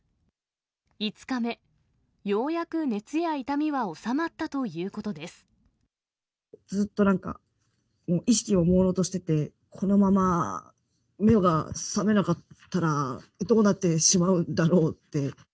５日目、ようやく熱や痛みは収まずっとなんか、もう意識がもうろうとしてて、このまま目が覚めなかったら、どうなってしまうんだろうって。